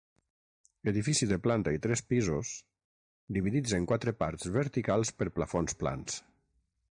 Edifici de planta i tres pisos; dividits en quatre parts verticals per plafons plans.